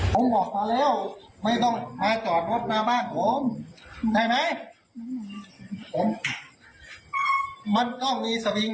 ผมออกมาแล้วไม่ต้องมาจอดรถมาบ้านผมใช่ไหมผมมันต้องมีสวิง